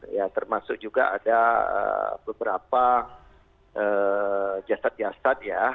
ya termasuk juga ada beberapa jasad jasad ya